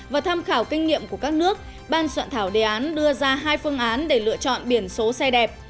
và tham khảo kinh nghiệm của các nước ban soạn thảo đề án đưa ra hai phương án để lựa chọn biển số xe đẹp